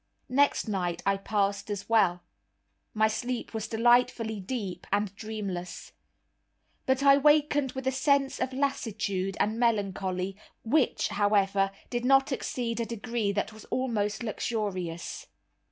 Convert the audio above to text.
Next night I passed as well. My sleep was delightfully deep and dreamless. But I wakened with a sense of lassitude and melancholy, which, however, did not exceed a degree that was almost luxurious.